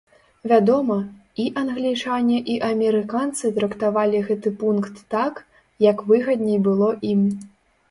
Вядома, і англічане і амерыканцы трактавалі гэты пункт так, як выгадней было ім.